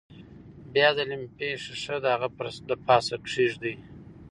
بیا د لمپې ښيښه د هغه د پاسه کیږدئ.